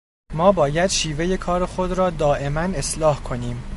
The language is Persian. ما باید شیوهٔ کار خود را دائماً اصلاح کنیم.